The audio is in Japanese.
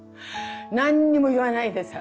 何にも言わないでさ。